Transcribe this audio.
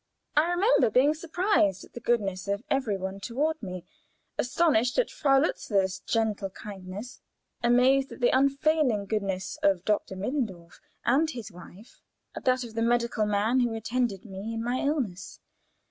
I remember being surprised at the goodness of every one toward me; astonished at Frau Lutzler's gentle kindness, amazed at the unfailing goodness of Dr. Mittendorf and his wife, at that of the medical man who attended me in my illness.